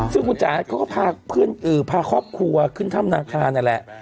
ซึ่งคุณจ๋าเขาก็พาเพื่อนอื่นพาครอบครัวขึ้นท่ามนาคารนั่นแหละ